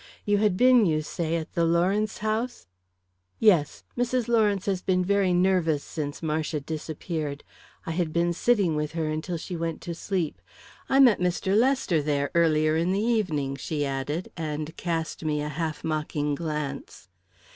You had been, you say, at the Lawrence house?" "Yes; Mrs. Lawrence has been very nervous since Marcia disappeared. I had been sitting with her until she went to sleep. I met Mr. Lester there earlier in the evening," she added, and cast me a half mocking glance.